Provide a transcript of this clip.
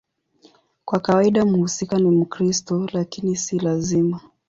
Kwa kawaida mhusika ni Mkristo, lakini si lazima.